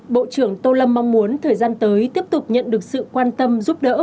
bộ trưởng tô lâm mong muốn thời gian tới tiếp tục nhận được sự quan tâm giúp đỡ